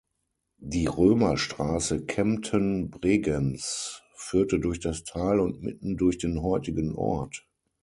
Die Römerstraße Kempten–Bregenz führte durch das Tal und mitten durch den heutigen Ort.